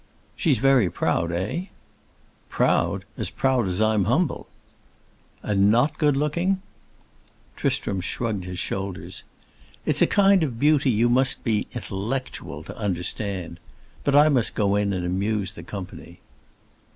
"She is very proud, eh?" "Proud? As proud as I'm humble." "And not good looking?" Tristram shrugged his shoulders: "It's a kind of beauty you must be intellectual to understand. But I must go in and amuse the company."